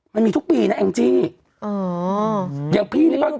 มันมีทุกปีนะเอ็งจี้